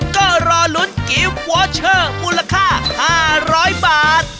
ก็รอลุ้นกิฟต์วอเชอร์มูลค่า๕๐๐บาท